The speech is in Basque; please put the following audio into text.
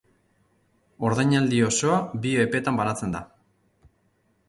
Ordainaldi osoa bi epetan banatzen da